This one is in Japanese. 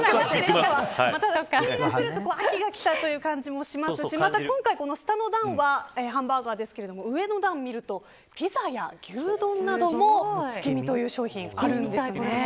月見がくると秋がきたという感じもしますしまた今回、下の段はハンバーガーですが上の段を見るとピザや牛丼なども月見という商品があるんですね。